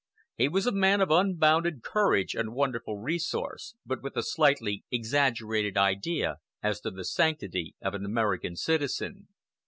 He was a man of unbounded courage and wonderful resource, but with a slightly exaggerated idea as to the sanctity of an American citizen.